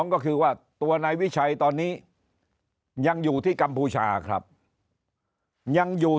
ก็คือว่าตัวนายวิชัยตอนนี้ยังอยู่ที่กัมพูชาครับยังอยู่